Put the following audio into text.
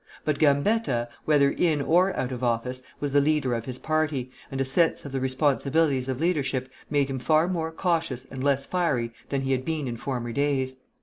But Gambetta, whether in or out of office, was the leader of his party, and a sense of the responsibilities of leadership made him far more cautious and less fiery than he had been in former days.